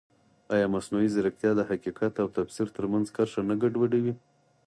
ایا مصنوعي ځیرکتیا د حقیقت او تفسیر ترمنځ کرښه نه ګډوډوي؟